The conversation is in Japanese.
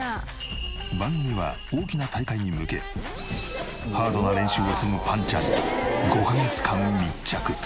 番組は大きな大会に向けハードな練習を積むぱんちゃんに５カ月間密着。